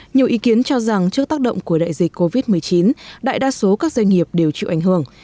nhiều ý kiến cho rằng trước tác động của đại dịch covid một mươi chín đại đa số các doanh nghiệp đều chịu ảnh hưởng